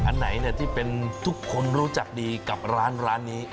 อันไหนที่เป็นทุกคนรู้จักดีกับร้านนี้